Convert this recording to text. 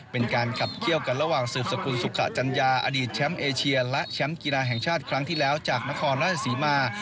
เป็นการขับเคี่ยวกันระหว่างสืบสกุลสุขะจัญญาอดีตแชมป์เอเชียและแชมป์กีฬาแห่งชาติครั้งที่แล้วจากนครราชศรีมา